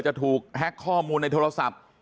จะถูกแฮ็กข้อมูลในโทรศัพท์